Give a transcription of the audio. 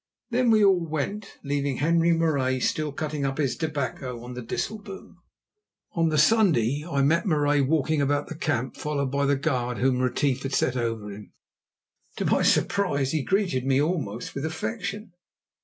Then we all went, leaving Henri Marais still cutting up his tobacco on the disselboom. On the Sunday I met Marais walking about the camp, followed by the guard whom Retief had set over him. To my surprise he greeted me almost with affection.